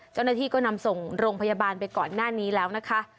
เจ้าหน้าที่ก็นำส่งโรงพยาบาลไปก่อนหน้านี้แล้วนะคะ